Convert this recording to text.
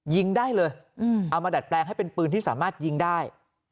ยิงได้เลยเอามาดัดแปลงให้เป็นปืนที่สามารถยิงได้